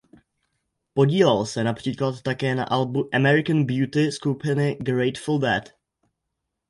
Podílel se například také na albu "American Beauty" skupiny Grateful Dead.